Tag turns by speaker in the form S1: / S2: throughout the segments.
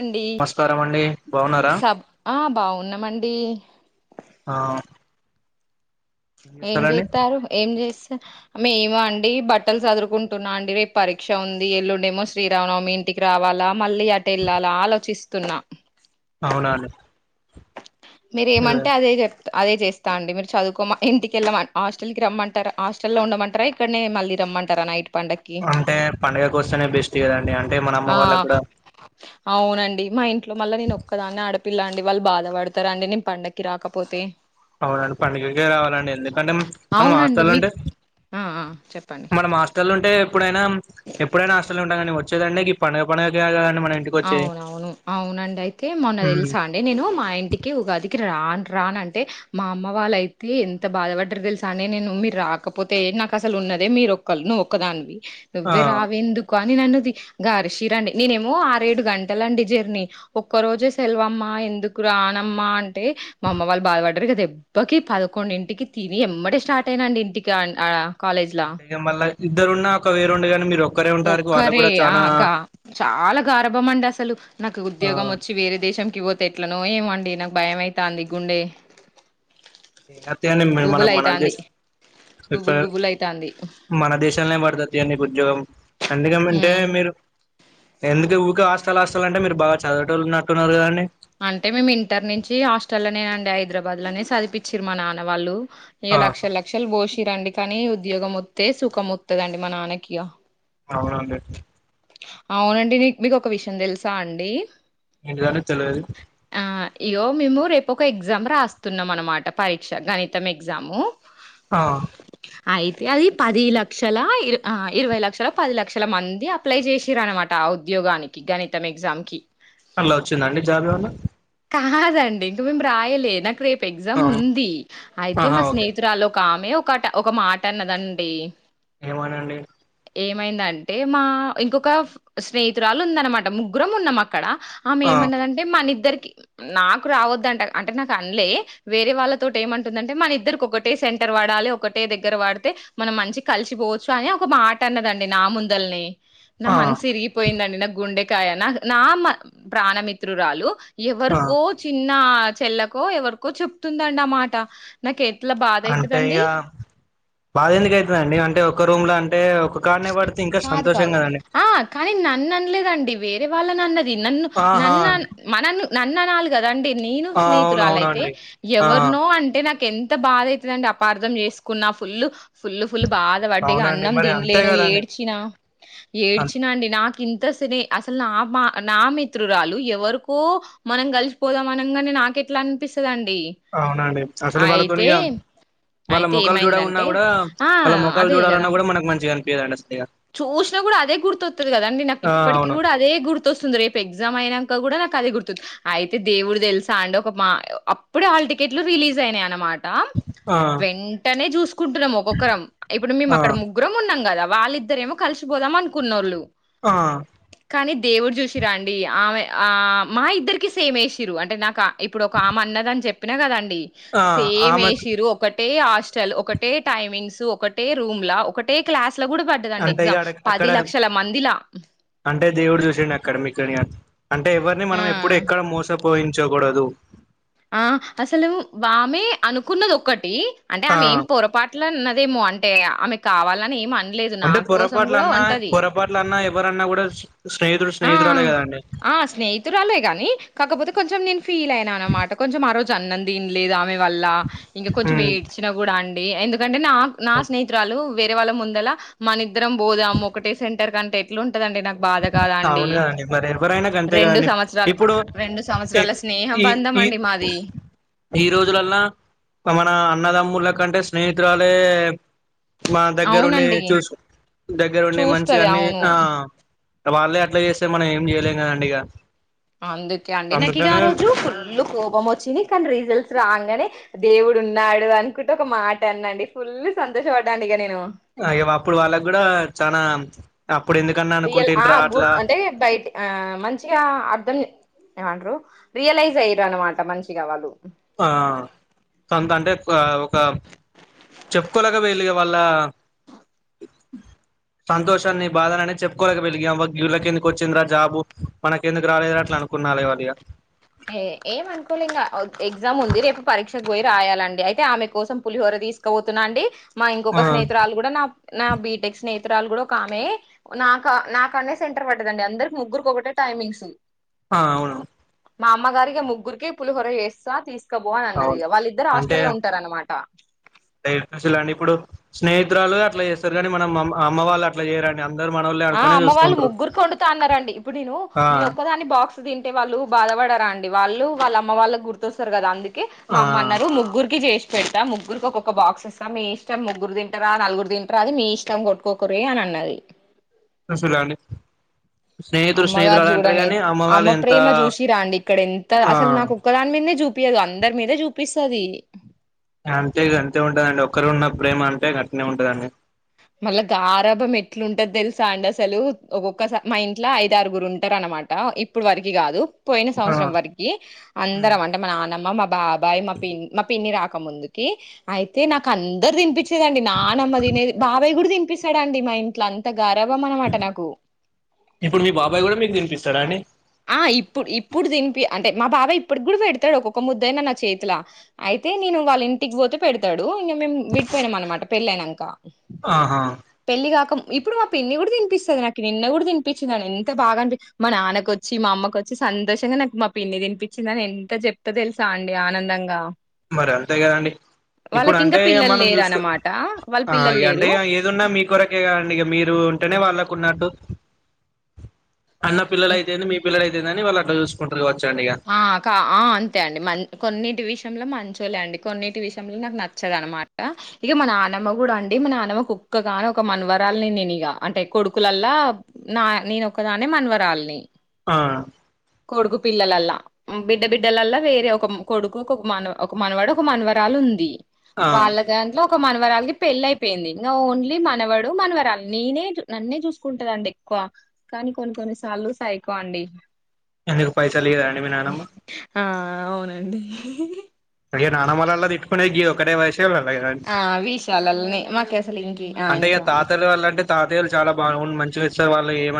S1: అండి
S2: నమస్కారం అండి బాగున్నారా
S1: సబ్ ఆ బాగున్నామండి
S2: ఆ..
S1: ఏం చేతారు ఏం చేస్త మేమ అండి బట్టలు చదురుకుంటున్నా అండి రేపు పరీక్ష ఉంది ఎల్లుండేమో శ్రీరామనవమి ఇంటికి రావాలా మళ్ళీ అట వెళ్ళాలా ఆలోచిస్తున్నా
S2: అవునండి
S1: మీరేమంటే అదే చెప్త అదే చేస్తా అండి మీరు చదుకోమ అదే అదే అదే చేస్తానండి చదువుకోమంటే ఇంటికెళ్ళమన్ హాస్టల్కి రమ్మంటారా హాస్టల్లో ఉండమంటారా ఇక్కడ్నే మళ్ళీ రమ్మంటారా నైట్ పండక్కి
S2: అంటే పండుగకు వస్తేనే బెస్ట్ కదండి అంటే మన అమ్మ
S1: ఆ
S2: వాళ్ళకు కూడా
S1: అవునండి మా ఇంట్లో మళ్ళ నేను ఒక్కదాన్ని ఆడపిల్ల పిల్ల అంటే వాళ్లు బాధపడతారు అత్తర అండి నేను పండక్కి రాకపోతే
S2: అవునండి పండుగకే రావాలండి ఎందుకంటే మనం
S1: అవునండి
S2: హాస్టల్లుంటే
S1: మీకు ఆ ఆ చెప్పండి
S2: మనం హాస్టల్లుంటే ఎప్పుడైనా ఎప్పుడైనా హాస్టల్నే ఉంటాం కదండి వచ్చేదంటే పండగ పండగ కే కదండి మన ఇంటికి వచ్చేది
S1: అవునవును అవునండి అయితే మొన్న
S2: ఉమ్
S1: తెలుసా అండి నేను మా ఇంటికి ఉగాదికి రాన్ రాన్ అంటే మా అమ్మ వాళ్ళయితే ఎంత రానంటే మా అమ్మ వాళ్ళైతే బాధపడ్డరు తెలుసా అనే నేను మీరు రాకపోతే నాకు అసలు ఉన్నదే మీరు ఒక్కళ్లు నువ్వుక్కదానివి
S2: ఆ
S1: నువ్వే రావెందుకు అని నేనన్నది గారిషీరండి నేనేమో అంతే ఏడు గంటలండి జర్నీ ఒక్క రోజే సెల్వమ్మా ఏడు గంటలు జర్నీ ఒక్కరోజే సెలవు ఎందుకు రానమ్మా అంటే మా అమ్మ వాళ్ళు బాధపడ్డారిగ దెబ్బకి పదకొండింటికి తిని ఎమ్మటే స్టార్ట్ అయినా అండి ఇంటికి ఆడ
S2: అంటే మళ్ళై ఇద్దరున్న ఒక వేరుండెగానీ మీరు ఒక్కరే ఉంటారు వాళ్ళకి
S1: ఒక్కరే
S2: కూడా
S1: ఆ
S2: చానా
S1: గా చాలా గారాబం అండి అసలు నాకు
S2: ఆ
S1: ఉద్యోగం వచ్చి వేరే దేశం కి పోతే ఎట్లనో ఏమో అండి నాకు భయమైతాంది గుండే
S2: ఏం కాదు తీయండి మే మనక్ మన దేశం
S1: గుబులు గుబులు అయితాంది
S2: [inaudible] మన దేశాల్నే పడతది తీయండి నీకు ఉద్యోగం ఎందుకమంటే
S1: ఉమ్
S2: మీరు ఎందుకుఊకె హాస చాలా ఆస్తులంటే మీరు బాగా చదివేటోలున్నట్టున్నారు కదండి
S1: అంటే మేము వద్దులనే సదివిపిచ్చిరు మా నాన్న వాళ్ళు ఇగ
S2: ఆహా
S1: లక్షల లక్షలు బోషి చరండి కానీ ఉద్యోగం వస్తే సుఖం వస్తదండి మా నాన్నకి ఇగ
S2: అవునండి
S1: అవునండి నీకు మీకు ఒక విషం తెలుసా అండి
S2: ఏంటిది అండి తెల్వది
S1: ఆ ఇగో మేము రేపు ఒక ఎగ్జామ్ రాస్తున్నాం అన్నమాట పరీక్ష గణితం ఎగ్జాము
S2: ఆ
S1: అయితే అది పది లక్షల ఇర ఆ ఇరవై లక్షల పది లక్షల మంది అప్ అప్లై చేసిరు అన్నమాట ఆ ఉద్యోగానికి గణితం ఎగ్జామ్ కి
S2: అల్లా వచ్చిందా అండి జాబ్ ఏమన్నా
S1: కాదండి ఇంక మేము రాయలే నాకు రేప్
S2: ఆ
S1: పెగ్జామ్ ఉంది అయితే
S2: ఆహా
S1: మా
S2: ఓకే
S1: స్నేహితురాలు ఒక ఆమె మే ఒకట ఒక మాటన్నదండి
S2: ఏమని అండి
S1: ఏమైందంటే మా ఇంకొక ఫ్ స్నేహితురాలు ఉందన్నమాట ముగ్గురం ఉన్న మా అక్కడ ఆమె
S2: ఆ
S1: ఏమన్నదంటే మన ఇద్దరికి నాకు రావొద్దంట అంటే నాకు అన్లే వేరే వాళ్ళతోటి ఏమంటుందంటే మన ఇద్దరికి ఒకటే సెంటర్ వడాలి ఒకటే దగ్గర పడితే మనం మంచి గా కలిసిపోవచ్చు అని ఒక మాట అన్నదండి నా ముందల్నే నా
S2: ఆ
S1: మనసు ఇరిగిపోయిందండి నా గుండె కాయ నా నా ప్రాణమిత్రురాలు
S2: ఆ
S1: ఎవరికో చిన్న చెల్లకో ఎవరికో చెప్తుందండి ఆ మాట నాకు ఎట్లా బాధ
S2: అంటే
S1: అయితదండి
S2: ఇగ బాధ ఎందుకు అయితదండి అంటే ఒక్క రూమ్ ల అంటే అంటే ఒక కాడనే పడితే ఇంకా
S1: కాదు
S2: సంతోషం
S1: కాదు
S2: కదండి
S1: ఆ కానీ నన్ను అనలేదండి వేరే వాళ్ళని అన్నది నన్ను
S2: ఆహా
S1: నన్నునా మన నన్ను నన్ను అనాలి గదండి నేను
S2: ఆ
S1: స్నేహితురాలు అయితే
S2: అవునవునండి ఆ
S1: ఎవరినో అంటే నాకు ఎంత బాధ అయితదండి అపార్థం చేసుకున్నా ఫుల్ ఫుల్లు ఫుల్ బాధ పడ్డ
S2: అవునండి
S1: అన్నం
S2: మరి
S1: తినలే
S2: అంతే
S1: నువ్వు
S2: కదండి
S1: ఏడ్చినా
S2: అన్
S1: ఏడ్చినా అండి నా ఇంత సిని అసలు నా మా నా మిత్రురాలు ఎవరికో మనం కలిసిపోదాం అనగానే నాకెట్లా అనిపిస్తుంది అండి
S2: అవునండి అసలు వాళ్ళతోని ఇగ వాళ్ళ
S1: అయితే
S2: మొఖాలు చూడకున్నా
S1: ఏమైందంటే
S2: కూడా
S1: ఆ
S2: వాళ్ళ మొఖాలు
S1: అదే కదా
S2: చూడాలన్నా కూడా మనకు మంచిగా అన్ ఎదండీ అసల్
S1: చూసినా కూడా అదే గుర్తుతోతది కదాండి నాకు
S2: ఆ
S1: ఇప్పటికీ
S2: అవును
S1: కూడా అదే గుర్తొస్తుంది రేపు ఎగ్జామ్ అయినా కూడా నాకు అదే గుర్తుంది అయితే దేవుడు తెలుసా అండి ఒక మా అప్పుడే హళ్ళ టికెట్లు రిలీజ్ అయినాయి అన్నమాట ఆ
S2: ఆ
S1: వెంటనే చూసుకుంటున్నాం ఒక్కొక్కరం ఇప్పుడు మేము
S2: ఆ
S1: అక్కడ ముగ్గురం ఉన్నాం కదా వాళ్ళిద్ ఇద్దరేమో కలిసిపోదాం అనుకున్నోళ్ళు
S2: ఆ
S1: కానీ దేవుడు చూసిరా అండి ఆమె ఆ మా ఇద్దరికి సేమ్ వేసిర్రు అంటే నాకు ఇప్పుడు ఒక ఆమె అన్నదని చెప్పి చెప్పిన కదా అన్
S2: ఆ
S1: సేమ్
S2: ఆమెకు
S1: వేసిరు ఒకటే హాస్టల్ ఒకటే టైమింగ్స్ ఒకటే రూమ్ లో ఒకటే క్లాస్ లో కూడా
S2: అంటే ఇక అడ అక్కడ అంటే దేవుడు చూసిండు అక్కడ మీకు కర్యా తి అంటే ఎవరిని
S1: ఆ!
S2: మనం ఎప్పుడు ఎక్కడ మోసపోయి చెప్పకూడదు
S1: ఆ అసలు బామె అనుకున్నది ఒకటి అంటే
S2: ఆ
S1: ఆమె ఏం పొరపాట్లు అన్నదేమో అంటే అంటే ఆమె కావాలని ఏమ అన్
S2: అంటే పొరపాట్ల అన్నా పొరపాట్ల అన్నా ఏమ్ ఎవరన్నా కూడా స్నేహితుడు
S1: ఆ
S2: స్నేహితురాలే కదండి
S1: ఆ స్నేహితురాలే కాని కాకపోతే కొంచెం నేన్ ఫీల్ అయిన అనమాట కొంచెం ఆరోజు చ అన్నం తినలేదు ఆమ్ ఆమేవల్ల ఇంకా కొంచెం
S2: ఉమ్
S1: ఏడ్చినా కూడా అండి డి ఎందుకు కంటే నాక్ నా స్నేహితురాలు వేరే వాళ్ళ ముందల మన ఇద్దరం పోదాం ఒకటే సెంటర్ కంటే ఎట్లా ఉంటద అండి నాకు బా
S2: అవునుకదండి మరి ఎవరైనా గంతే
S1: రెండు
S2: కదండి
S1: సంవత్సరాలు
S2: ఇప్పుడు
S1: రెండు
S2: ఎక్
S1: సంవత్సరాల స్నేహ
S2: ఈ
S1: బంధం
S2: ఈ
S1: అండి మాది
S2: ఈ రోజులల్ల మన అన్నతమ్ముల కంటే స్నేహితురాలే మా దగ్గరుండి
S1: అవునండి
S2: చూసు దగ్గరుండి మంచిగా
S1: చూస్తది
S2: అన్ని
S1: అవును
S2: ఆ వాళ్ళే అట్ల చేస్తే మనం ఏం చేయలేం కదండి ఇగ
S1: అందుకే అండి నాకు ఇక ఆ
S2: అందుకనే
S1: రోజు ఫుల్ కోపం వచ్చింది కానీ రీజల్ట్స్ రాంగానే దేవుడు ఉన్నాడు అనుకుట ఒక మాట అనండి ఫుల్ సంతోష పడ్డ అండి ఇక నేను
S2: అయ్యో అప్పుడు వాళ్ళకు కూడా చాన ఆప్
S1: రియల్ ఆ గుర్త్ ఆ అంటే బయటి ఆ మంచిగ అర్ధం ఏమంటారు రియలైజ్ అయరు అనమాట మంచిగా వాళ్ళు
S2: ఆ సంతంటే ఆ ఒక చెప్పుకోలేక వెలిగే వాళ్ళ సంతోషాన్ని బాధనని చెప్పుకోలేక వెలిగే వీళ్ళకే ఎందుకు వచ్చింది రా జాబు మనకెందుకు రాలె అట్లనుకున్నలే ఇక
S1: ఏ ఏమనుకోలే ఇంకా ఎగ్జామ్ ఉంది రేపు పరీక్షకు పోయి రాయాలండి అయితే ఆమె కోసం పులిహోర తీసుకుపోతున్నా అండి మా
S2: ఆ
S1: ఇంకొక స్నేహితురాలు కూడా నా నా బీటెక్ నేర్ప్ స్నేహితురాలు కూడా ఒక ఆమె నా నాకు అనే సెంటర్ పడ్డదండి అందరి ముగ్గురికి ఒకటే టైమింగ్స్
S2: ఆ అవును
S1: మా అమ్మగారికి ముగ్గురికిి పులిహొర వేసేసా తీస్ ఇక పోనన్నది
S2: అవును
S1: వాళ్ళిద్దరు హాస్టల్లో ఉంటారన్నమాట
S2: తెలుసులే అండి ఇప్పుడు స్నేహితురాలు అట్లా చేస్తారు కానీ మనం మ అమ్మ వాళ్ళు అట్లా చేయరండి అందరు మనోళ్ళే
S1: ఆ
S2: అనుకునే
S1: అమ్మ వాళ్ళు
S2: చూసుకుంటారు
S1: ముగ్గురుకొండుత అన్నారంండి ఇప్పుడు నేను
S2: ఆ
S1: నే ఒక్కదాన్ని బాక్స్ తింటే వాళ్ళు బాధపడరా అండి వాళ్ళు వాళ్ళ అమ్మ వాళ్ళ గుర్తొస్తారు కదా అండి కె మా
S2: ఆ
S1: అమ్మ అన్నారు ముగ్గురికిి చేసి పెట్టా ముగ్గురుకి ఒక్కొక్క బాక్స్ ఇస్తా మీ ఇష్టం ముగ్గురు తింటరా నలుగురు తింటారా అది మీ ఇష్టం కొట్టుకోకిరే అని అన్నది
S2: ఫసురాండీ
S1: అమ్మగారు చూడండి అమ్మ
S2: ఎంత
S1: ప్రేమ చూసిరాండి ఇక్కడ ఎంత
S2: ఆ
S1: అసలు నాకు కుక్కదానిమింద చూపి పియ్యదు అందరి మీదే చూపిస్తాది
S2: అంతే ఇక గంతే ఉంటదండి ఒక్కరు ఉన్న ప్రేమ అంతే గట్నే ఉంటదండి
S1: మళ్ళా గారభం ఎట్లుంటది తెలుసా అండి అసలు ఒక్కొక్కసారి మా ఇంట్లో ఐదారుగురు ఉంటారు అనమాట ఇప్పుడి వరకి కాదు పోయిన
S2: ఆ
S1: సంవత్సరం వరికీ
S2: హ్మ్
S1: అందరం అంటే మన నాన్నమ్మ మ్మ బాద్ బయి మా పిన్ని మా పిన్ని రా క ముందుకి అయితే నాకు అందరు తినిపించేదండి నానమ్మ తినేది బాబాయ్ కూడా తినిపిస్తదండి మా ఇంట్లో అంతకు
S2: ఇప్పుడు మీ బాబాయ్ గూడా మీకు తినిపిస్ తడ అండీ
S1: ఆ ఇప్పు ఇప్పుడు దీని అంటే మా బాబా ఇప్పుడుకి కూడా పెడతడు ఒక్కొక్క ముద్దయినా నా చేతిల అయితే నేను వాళ్ళ ఇంటికి ఓతే పెడతడు ఇంగ మేము విడిపోయినాం అనమాట పెళ్లయినంక
S2: ఆహా
S1: ఇప్పుడు మా పిన్ని గుడా తిపిస్తుంది నాకు నిన్న కూడా తినిపించినాని ఎంత బాగా అనిపి మా నాన్న కొచ్చి చ్చి మా అమ్మ కొచ్చి సంతోషంగా నకు మా పిన్ని తినిపించిందని ఎంత చెప్త తెలుసా అండి ఆనందంగా
S2: మరి అంతే గదండి ఇప్పుడు
S1: వాళ్ళకి ఇంకా
S2: అంటేఇగ
S1: పిల్లలు
S2: మనం
S1: లేరు
S2: జూసుకు
S1: అన్నమాట వాళ్ళు
S2: ఆ
S1: పిల్లలు
S2: ఇగ అంటే
S1: లేరు
S2: ఏదున్నా మీ కొరకే గద ఇగ మీరు ఉంటేనే వాళ్ళకు ఉన్నట్టు అన్న పిల్ల
S1: ఇం
S2: లయితేంది మీ పిల్ల అతే దని వాళ్ళ అట్ల జూసుకుంటరు గావచ్చు
S1: ఆ కా ఆ అంతే అండి మలి కొన్నిటి విషయంలో మంచి చోలే అండి కొన్నిటి విషయంలో నాకు నచ్చదనమాట ఇగ మా నానమ్మ గుడా అండి మన నానమ్మ కి ఒక్కగాని ఒక మన్వరాలని నేను ఇగా అంటే కొడుకులల్లా నా నేనొక్కదానే మన్వరాలిని
S2: ఆ
S1: పిల్లలల్లా బిడ్డ బిడ్డలల్ల వేరే ఒక కొడుకు ఒక మనవ ఒక మనవడ ఒక మన్వరాలు ఉంది
S2: ఆ
S1: వాళ్ళ దాన్లో ఒక మనవరాలకిి పెళ్ళి అయిపోయింది నా ఓన్లీ మనవడు మనవరాలు నేనేజూ నన్నే జూసుకుంటరండి ఎక్కువ కానీ కొన్ని కొన్ని సార్లు సైకో అండి
S2: ఎందుకు పైసలు లియరండి మీ నానమ్మ
S1: ఆ అవునండి
S2: ఈ నానమ్మలల్ల తిట్టుకొనే గీయోక్కటె వయసు
S1: ఆ విశలల్లనే మాకు అసలు ఇంక ఆ ఇంకసాలి
S2: ఏలు చాలా బాగు మంచి విలిసే వాళ్ళ ఏమ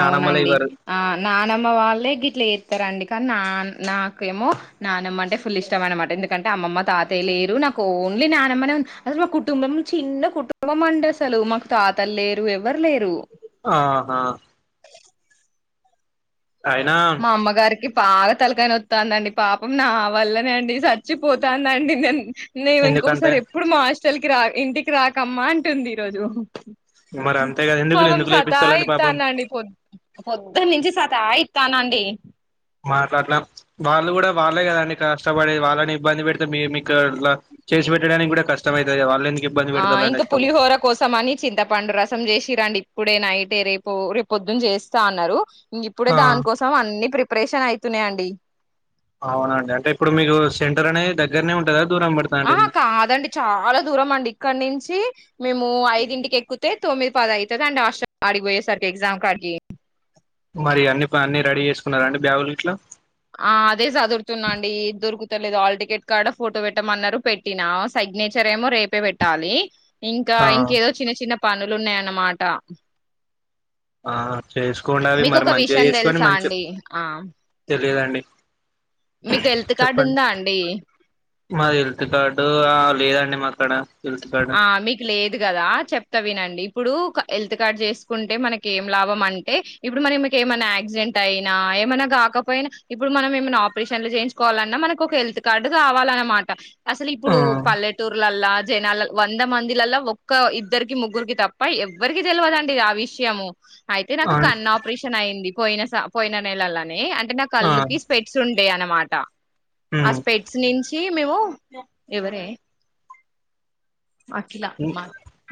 S1: అవునండి ఆ నానమ్మ వాళ్ళే గిట్ల జెత్తరండి కానీ నానా నాకేమో నానమ్మ అంటే ఫుల్ ఇష్టం అనమాట ఎందుకంటే అమ్మమ్మ తాతయ లేరు నాకు ఓన్లీ నానమ్మనే ఉ అసలు మా కుటుంబం చిన్న కుటుంబంమండి అసలు మాకు తాతలు లేరు ఎవరు లేరు
S2: ఆహా అయినా
S1: మా అమ్మగారికి బాగా తలకాయనోదండి పాపం నా వల్లనే అండి చచ్చిపోతదండి నేను నే ఓ
S2: ఎందుకంటే
S1: ఇంకొకసారి ఎప్పుడు మా ఆ అసలకి రా ఇంటికి రాకమ్మా అంటుంది ఈరోజు
S2: మరి అంతే కదా ఎందుకు
S1: పాపం
S2: ఎందుకు
S1: సతా
S2: లేపిస్తాలండి పాపం
S1: ఇతనండిపో ప పొద్దటి నుంచి నుండీ సతాయి తానండి
S2: మాట్లాడలాం వాళ్ళు కూడా వాళ్ళే కదండి కష్టపడే వాళ్ళని ఇబ్బంది పెడితే మీ మీకు ఇలా చేసి పెట్టడానికి కూడా కస్టమైతది వల్లే
S1: ఆ ఇంకా పులిహోర కోసం అని చింతపండు రసం చేసి రండి ఇప్పుడే నైటే రేపు రేపు పొద్దున్న చేస్తా అన్నారు ఇప్పుడే
S2: ఆ
S1: దాని కోసం అన్ని ప్రిప ఆపరేషన్ అయితునయి అండి
S2: అవునండి అంటే ఇప్పుడు మీకు సెంటర్ అనే దగ్గరనే ఉంటదా దూరం
S1: ఆహా
S2: పడతాదండి
S1: కాదండి చాలా దూరం అండి ఇక్కడ నుంచి [unintelligible] మేము ఐదింటికి ఎక్కుతే తొమ్మిది పద అయితాదండి హాస్టల్ అడికిపోయే సరికి ఎగ్జామ్ కడికీ
S2: మరి అన్ని రెడీ చేసుకున్నార అండి బ్యాగులు గిట్ల
S1: ఆ అదే చదురుతున్నాండి దొరుకు పట్టలేదు ఆల్ టికెట్ కాడ ఫోటో పెట్టమన్నరు పెట్టినా సిగ్నేచర్ ఏమో రేపే పెట్టాలి ఇంకా
S2: ఆ
S1: ఇంకేదో చిన్న చిన్న పనులున్నయన్నమాట
S2: ఆ చేస్కోండి అవి
S1: మీకు
S2: మరి
S1: ఒక
S2: మంచిగా
S1: విషయం
S2: చేస్కోని
S1: తెలుసా
S2: మంచి
S1: అండి ఆ
S2: తెలియదండి
S1: మీకు హెల్త్ కార్డు
S2: చెప్పండి
S1: ఉందా అండి
S2: మా హెల్త్ కార్డు ఆ లేదండి మాక్ ఎక్కడ
S1: ఆ మీకు లేదు కదా చెప్తా వినండి ఇప్పుడూ హెల్త్ కార్డ్ చేస్కుంటే మనక్ ఏం లాభం అంటే ఇప్పుడు మరి మీకేమైనా యాక్సిడెంట్ అయినా ఏమైనా కాకపోయినా ఇప్పుడు మనం ఏమైనా ఆపరేషన్లు చేయించుకోవాలన్నా మనక్ ఒక హెల్త్ కార్డు కావాలన్నమాట అసల్
S2: ఆ
S1: ఇప్పుడు పల్లెటూర్లల్లా జనాలల్ వంద మందిలల్ల ఒక్క ఇద్దర్కి ముగ్గుర్కి తప్ప ఎవ్వరికి తెల్వదండి ఆ విషయము అయితే
S2: ఆ
S1: నాకు కన్ను ఆపరేషన్ అయ్యింది పోయిన స పోయిన నెలలనే అన్ అంటే నా
S2: ఆ
S1: కళ్ళుకి స్పెట్స్ ఉండే మాట. ఆ
S2: ఉమ్
S1: స్పెట్స్ నుంచి కీ మేము ఎవరే అఖిలా
S2: నీ
S1: మా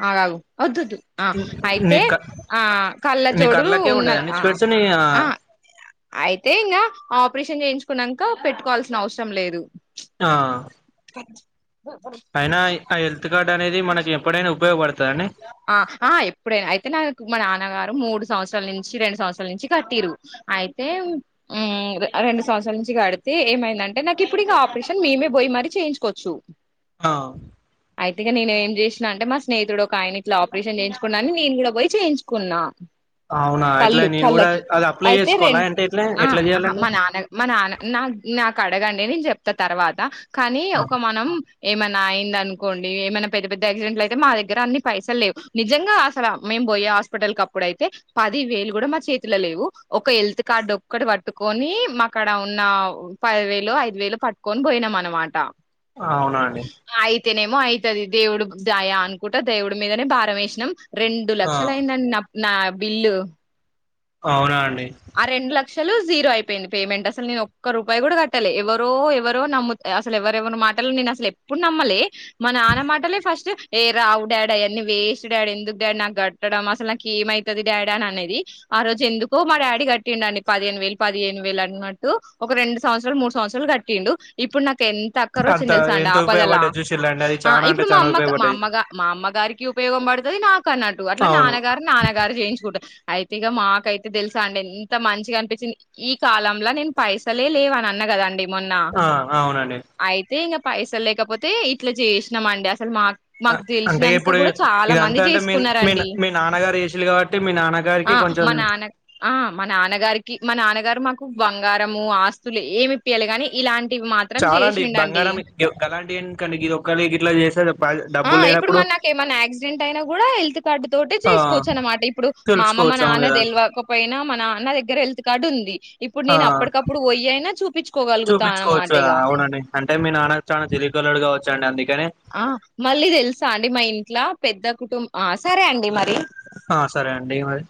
S1: ఆగగు వద్దవద్దు ఆ
S2: నీ
S1: అయితే
S2: క
S1: ఆ కళ్ళ
S2: నీ
S1: జోడు
S2: కళ్ళకే
S1: ఉన్నాయ్
S2: ఉండదండి
S1: ఆ
S2: స్పెట్స్ నీ
S1: ఆ అయితే ఇంగ ఆపరేషన్ చేయించుకున్నాక పెట్టుకోవాల్సిన అవసరం లేదు.
S2: ఆ అయినా ఆ హెల్త్ కార్డ్ అనేది మకెప్పుడైనా ఉపయోగపడ్
S1: ఆ ఆ ఎప్పుడైనా అయితే నాకు మా నాన్నగారు మూడు సంవత్సరాల నుంచి రెండు సంవత్సరాల నుంచి కట్టింరు. అయితే మ్ రెండు సంవత్సరాల నుంచి కడితే ఏమైందంటే నాకిప్పుడిక ఆపరేషన్ మేమే పోయి మరీ చేయించుకోవచ్చు.
S2: ఆ
S1: అయితే ఇగ నేను ఏం చేసినా అంటే మా స్నేహితుడు ఒకాయన ఇట్ల ఆపరేషన్ చేయించుకున్నా అని నేను కుడా పోయి చేయించుకున్నా.
S2: అవునా ఇట్లా
S1: కళ్ళు
S2: నేను కూడా
S1: కళ్ళకి
S2: అది అప్లై
S1: అయితే రెం
S2: చేసుకోవాలా అంటే ఎట్లా
S1: ఆ
S2: ఎట్లా చేయాలండి
S1: మా నాన్న మా నాన్న నాక్ నాక్ కడగండి నేన్ చెప్తా తర్వాత కానీ
S2: ఆ,
S1: ఒక మనం ఏమైనా అయిందన్కోండి ఏమైనా పెద్ద పెద్ద యాక్సిడెంట్లయితే మా దగ్గర అన్ని పైసల్ లేవు నిజంగా అసల మేం పోయే హాస్పిటల్ కప్పుడయితే పది వేలు గుడా మా చేతిల లేవు. ఒక హెల్త్ కార్డ్ ఒక్కటే పట్టుకోని మా కాడ ఉన్న పది వేలో ఐదు వేలో పట్టుకొని పోయినం అన్నమాట.
S2: అవునా అండి
S1: అతేనేమో అవుతది దేవుడు దాయ అనుకుంటట దేవుడు మీదనే భారమేసినం రెండు
S2: ఆ
S1: లక్షల అయిందండి నా నా బిల్లు
S2: అవునాండి
S1: ఆరెండు లాక్ లక్ష జీరో అయిపోయింది పేమెంట్ అసలు నేను ఒక్క రూపాయి కూడా కట్టలే ఎవరో ఎవరో నమ్ము అసలు ఎవరెవ మాటలు నేను అసలు ఎప్పుడు నమ్మలే మా నాన్న మాటలే ఫస్ట్ ఏ రావు డాడీ అవన్నీ వేస్ట్ డాడీ ఎందుకు డాడీ నాకు కట్టడం అసలు నాకు ఏమవుతుది డాడీ అని అనేది ఆ రోజు ఎందుకో మా డాడీ కట్టిండిండి పదిహేను వేలు పదిహేను వేలు అన్నట్టు ఒక రెండు సంవత్సరాలు మూడు సంవత్సరాలు కట్టిండు ఇప్పుడు నాకు టెన్త్ అక్కర్
S2: అంత
S1: వచ్చి తెలుసా అండి
S2: ఎంత
S1: ఆపదలా
S2: ఉపయోగపడ్డది చూసిల్లండి అది
S1: ఆ
S2: చానా అంటే
S1: ఇప్పుడు మా
S2: చానా
S1: అమ్మ మా
S2: ఉపయోగపడ్డది
S1: అమ్మగ మా అమ్మ గారికి ఉపయోగ పడుతుంది నా కన్నాాట్టు అట్లా
S2: అవును
S1: నాన్నగారు నాన్నగారు చేయించుకుూటారు అయితే ఇక మాక అైతే తెలుసా అండి ఇంత మంచిగా అనిపించింది ఈ కాలంలో నేను పైసలే లేవ అని అన్న కదాండి
S2: ఆ అవునండి
S1: పైస లేకపోతే ఇట్లా చేసినాంమండి అసలు మాకు
S2: అంటే
S1: తెలిసినంక
S2: ఇప్పుడు
S1: కూడా చాలా మంది
S2: ఇదంతా అంటే మీ మీ
S1: చేసుకున్నారండి
S2: మీ నాన్నగారు వసలు కాబట్టి మీ నాన్నగారికి
S1: ఆ
S2: కొంచెం
S1: మా నాన్న ఆ మా నాన్నగారికి మా నాన్నగారు మాకు బంగారము ఆస్తులు ఏమి ఇప్పయాలిగాని ఇలాంటి
S2: చాలా అండి బంగారం అలాంటివి ఎందుకు అండి ఇది ఒకళ ఇట్లా చేసేది
S1: ఆ ఇప్పుడు మన నాక ఏమైన్నా యాక్సిడెంట్ అయినా కూడా హెల్త్ కార్డు తోట
S2: ఆ
S1: చేసుకోవచ్చు అనమాట ఇప్పుడు మా అమ్మ మా
S2: తెలుసుకోవచ్చు అవును
S1: నాన్న
S2: కదా
S1: తెలివకపోయినా మన నాన్న దగ్గర హెల్త్ కార్డు ఉంది ఇప్పుడు
S2: ఆ
S1: నేను అప్పటికప్పుడు పోయి అయినా చూపించుకోగలుగుతా అన్నమాట
S2: చూపించుకోవచ్చు
S1: ఇగ
S2: అవునండి అంటే మీ నాన్న చనా చిరిగలడుగా వచ్చాండి అందుక
S1: ఆ మళ్ళీ తెలుసా అండి మా ఇంట్ల పెద్ద కుటుం సరే అండి మరి
S2: ఆ సరే అండి ఈ మరి